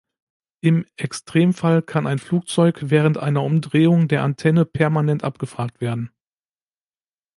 Im Extremfall kann ein Flugzeug während einer Umdrehung der Antenne permanent abgefragt werden.